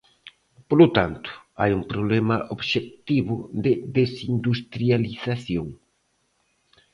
Polo tanto, hai un problema obxectivo de desindustrialización.